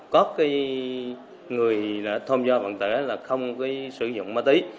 có người thông do vận tửa là không sử dụng ma túy